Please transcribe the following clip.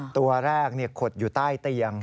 ตัวแรกขดอยู่ใต้เตียง